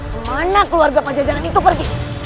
kemana keluarga pajajaran itu pergi